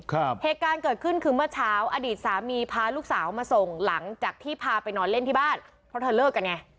เหตุการณ์เกิดขึ้นคือเมื่อเช้าอดีตสามีพาลูกสาวมาส่งหลังจากที่พาไปนอนเล่นที่บ้านเพราะเธอเลิกกันไง